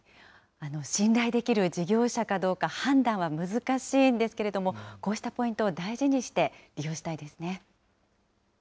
信頼できる事業者かどうか、判断は難しいんですけれども、こうしたポイントを大事にして利用したいですね。